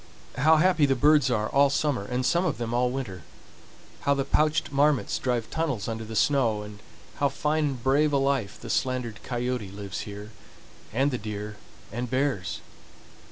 How happy the birds are all summer and some of them all winter; how the pouched marmots drive tunnels under the snow, and how fine and brave a life the slandered coyote lives here, and the deer and bears!